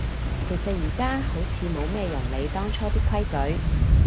其實而家好似冇咩人理當初啲規矩